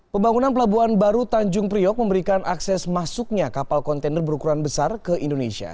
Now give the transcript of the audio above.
pembangunan pelabuhan baru tanjung priok memberikan akses masuknya kapal kontainer berukuran besar ke indonesia